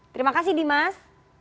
terima kasih dimas